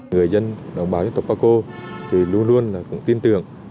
người dân đồng bào dân tộc ba cô thì luôn luôn tin tưởng